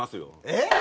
えっ？